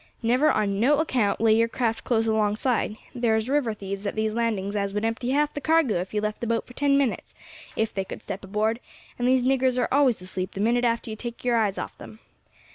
"Never on no account lay your craft close alongside; thar's river thieves at these landings as would empty half the cargo if you left the boat for ten minutes, if they could step aboard, and these niggers are always asleep the minute after you take your eyes off them.